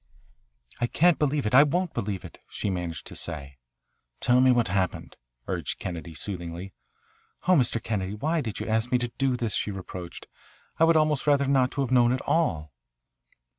"I can't believe it. I won't believe it," she managed to say. "Tell me, what happened?" urged Kennedy soothingly. "Oh, Mr. Kennedy, why did you ask me to do this?" she reproached. "I would almost rather not have known it at all."